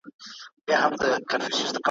چي ککړي به یې سر کړلې په غرو کي ,